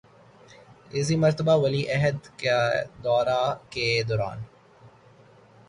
اس مرتبہ ولی عہد کے دورہ کے دوران